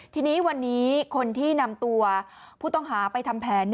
ทีนี้วันนี้คนที่นำตัวผู้ต้องหาไปทำแผน